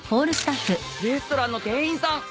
レストランの店員さん。